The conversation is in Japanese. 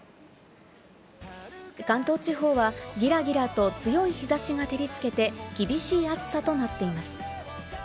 関東地方はギラギラと強い日差しが照り付けて、厳しい暑さとなっています。